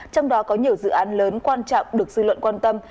trong đó có nhiều dự án lớn quan trọng được dư luận quan tâm